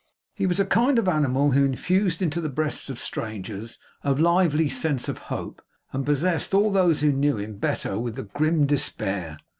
He was a kind of animal who infused into the breasts of strangers a lively sense of hope, and possessed all those who knew him better with a grim despair.